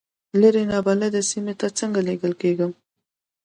لرې نابلده سیمې ته څنګه لېږل کېږم.